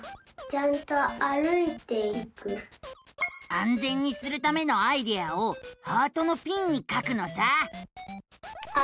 あんぜんにするためのアイデアをハートのピンに書くのさ。